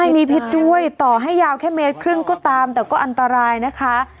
มีพิษด้วยต่อให้ยาวแค่เมตรครึ่งก็ตามแต่ก็อันตรายนะคะ